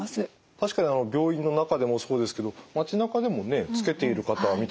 確かに病院の中でもそうですけど町なかでもねつけている方は見たことがあります。